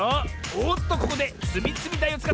おっとここでつみつみだいをつかった！